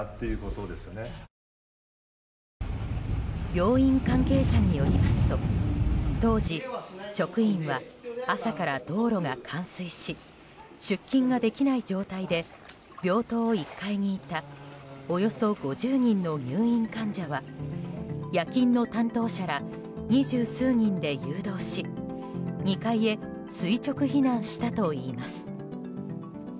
病院関係者によりますと当時、職員は朝から道路が冠水し出勤ができない状態で病棟１階にいたおよそ５０人の入院患者は夜勤の担当者ら二十数人で誘導し２階へ垂直避難したといいます。